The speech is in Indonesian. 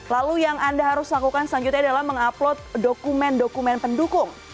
lalu yang anda harus lakukan selanjutnya adalah mengupload dokumen dokumen pendukung